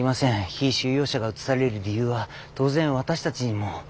被収容者が移される理由は当然私たちにも。